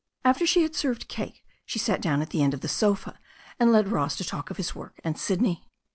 After she had served cake she sat down on the end of the sofa, and led Ross to talk of his work and Sydney.